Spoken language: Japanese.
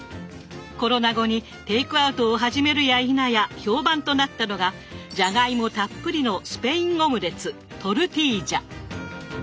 コロナ後にテイクアウトを始めるやいなや評判となったのがじゃがいもたっぷりのスペインオムレツ